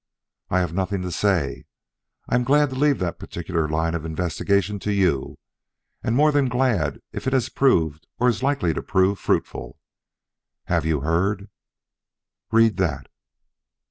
"I have nothing to say. I am glad to leave that particular line of investigation to you, and more than glad if it has proved or is likely to prove fruitful. Have you heard " "Read that."